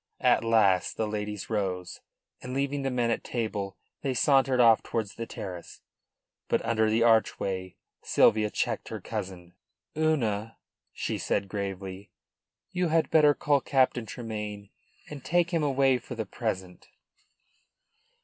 At last the ladies rose, and, leaving the men at table, they sauntered off towards the terrace. But under the archway Sylvia checked her cousin. "Una," she said gravely, "you had better call Captain Tremayne and take him away for the present."